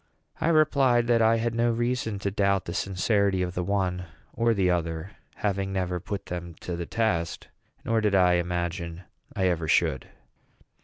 I replied that I had no reason to doubt the sincerity of the one or the other, having never put them to the test, nor did I imagine I ever should.